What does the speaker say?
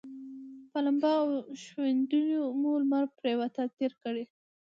په لمبا او ښویندیو مو لمر پرېواته تېره کړه.